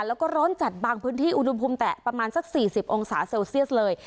แล้วก็ร้อนจัดบางพื้นที่อุณหภูมิแตะประมาณสัก๔๐องศาเซลเซียสเลย